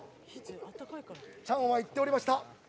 チャンは言っておりました。